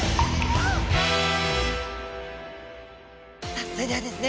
さあそれではですね